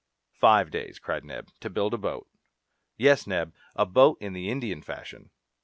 "Five days," cried Neb, "to build a boat?" "Yes, Neb; a boat in the Indian fashion."